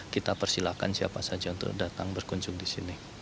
kita persilahkan siapa saja untuk datang berkunjung disini